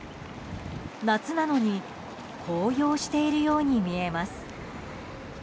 夏なのに紅葉しているように見えます。